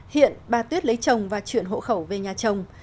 hiện bà tuyết lấy chồng và chuyển hộ khẩu về nhà chồng